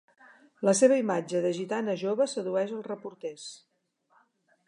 La seva imatge de gitana jove sedueix els reporters.